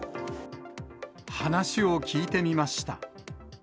話を聞いてみました。